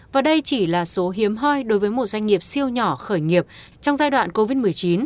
và đây chỉ là số hiếm hoi đối với một doanh nghiệp siêu nhỏ khởi nghiệp trong giai đoạn covid một mươi chín